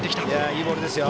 いいボールですよ。